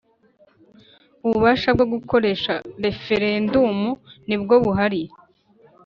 Ububasha bwo gukoresha referendumu nibwo buhari.